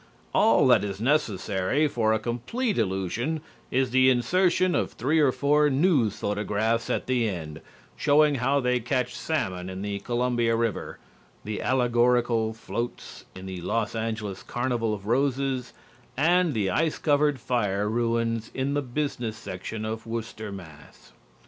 All that is necessary for a complete illusion is the insertion of three or four news photographs at the end, showing how they catch salmon in the Columbia River, the allegorical floats in the Los Angeles Carnival of Roses and the ice covered fire ruins in the business section of Worcester, Mass.